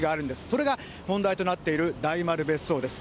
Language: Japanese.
それが問題となっている大丸別荘です。